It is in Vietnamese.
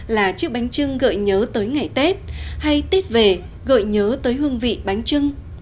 là chiếc bánh trưng gợi nhớ tới ngày tết hay tết về gợi nhớ tới hương vị bánh trưng